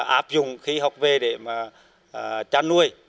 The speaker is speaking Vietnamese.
áp dụng khi học về để chăn nuôi